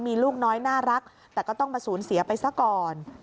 มีลูกน้อยน่ารักแต่ก็ต้องมาสูญเสียไปซะก่อน